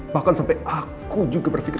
bahkan sampai aku juga berpikir